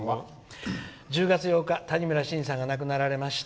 １０月８日、谷村新司さんが亡くなられました。